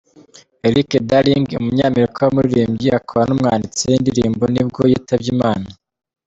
Erik Darling, umunyamerika w’umuririmbyi akaba n’umwanditsi w’indirimbo ni bwo yitabye Imana.